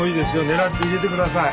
狙って入れてください。